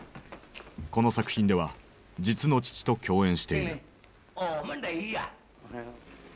この作品では実の父と共演している。